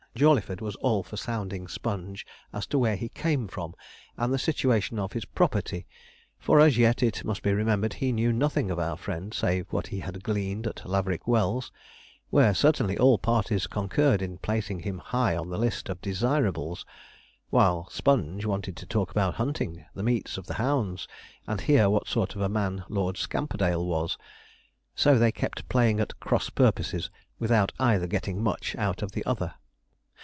Jawleyford was all for sounding Sponge as to where he came from, and the situation of his property; for as yet, it must be remembered, he knew nothing of our friend, save what he had gleaned at Laverick Wells, where certainly all parties concurred in placing him high on the list of 'desirables,' while Sponge wanted to talk about hunting, the meets of the hounds, and hear what sort of a man Lord Scamperdale was. So they kept playing at cross purposes, without either getting much out of the other.